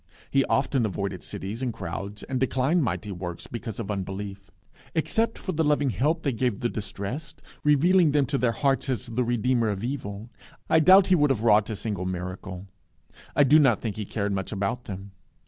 He often avoided cities and crowds, and declined mighty works because of unbelief. Except for the loving help they gave the distressed, revealing him to their hearts as the Redeemer from evil, I doubt if he would have wrought a single miracle. I do not think he cared much about them.